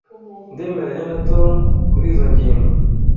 Ndemeranya na Tom kurizoi ngingo.